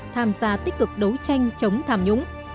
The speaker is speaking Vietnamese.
tham gia tích cực đấu tranh chống tham nhũng